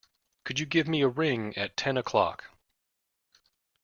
Could you give me a ring at about ten o'clock?